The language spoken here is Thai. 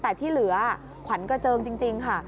แต่ที่เหลือขวัญกระเจิงจริงค่ะ